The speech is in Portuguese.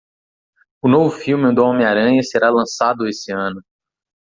O novo filme do Homem-Aranha será lançado esse ano.